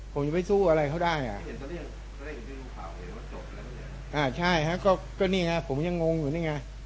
ผมยังไม่สู้อะไรเขาได้อ่ะใช่ฮะก็นี่ไงผมยังงงอยู่นี่ไง